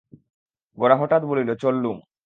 গোরা হঠাৎ বলিল, চললুম।